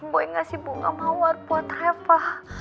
boy ngasih bunga mawar buat reva